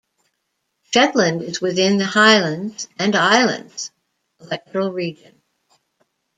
Shetland is within the Highlands and Islands electoral region.